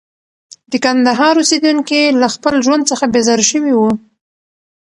د کندهار اوسېدونکي له خپل ژوند څخه بېزاره شوي وو.